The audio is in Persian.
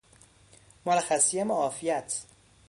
مرخصی معافیت